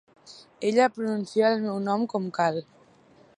Ella pronuncia el meu nom com cal.